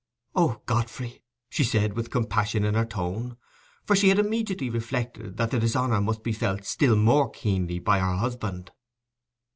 "O Godfrey!" she said, with compassion in her tone, for she had immediately reflected that the dishonour must be felt still more keenly by her husband.